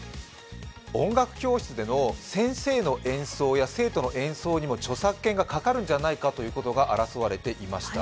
音楽教室での先生の演奏や生徒の演奏にも著作権がかかるんじゃないかということが争われていました。